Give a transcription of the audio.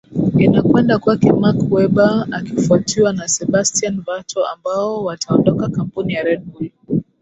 inakwenda kwake mark webber akifwatiwa na sebastian verto ambao wataondoka kampuni ya red bull